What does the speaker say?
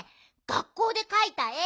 学校でかいたえ